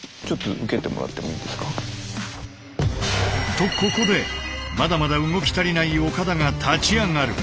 とここでまだまだ動き足りない岡田が立ち上がる。